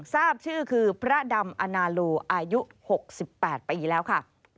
ทราบชื่อคือพระดำอนาโลอายุ๖๘ปีแล้วค่ะ